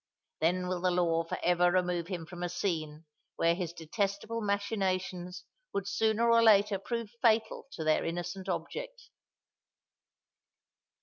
Then will the law for ever remove him from a scene where his detestable machinations would sooner or later prove fatal to their innocent object!"